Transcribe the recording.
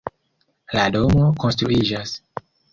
La domo konstruiĝas.